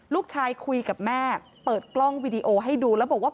ลูกชายคุยกับแม่เปิดกล้องวิดีโอให้ดูแล้วบอกว่า